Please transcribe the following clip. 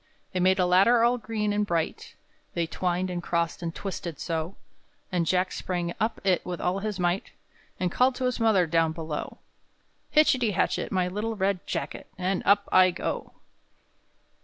They made a ladder all green and bright, They twined and crossed and twisted so; And Jack sprang up it with all his might, And called to his mother down below: "_Hitchity hatchet, my little red jacket, And up I go!